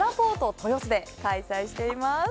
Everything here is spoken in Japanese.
豊洲で開催しています。